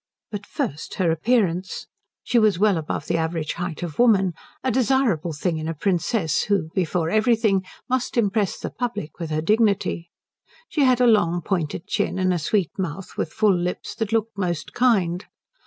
But first her appearance. She was well above the average height of woman; a desirable thing in a princess, who, before everything, must impress the public with her dignity. She had a long pointed chin, and a sweet mouth with full lips that looked most kind.